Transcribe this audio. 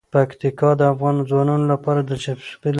پکتیکا د افغان ځوانانو لپاره دلچسپي لري.